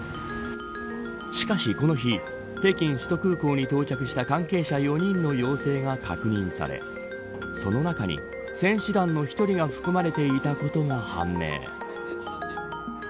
しかし、この日北京首都空港に到着した関係者４人の陽性が確認されその中に選手団の１人が含まれていたことが判明。